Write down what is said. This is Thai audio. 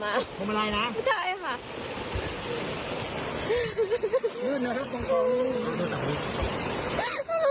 ว่าจะเอามาหนูชั้นให้ยังไง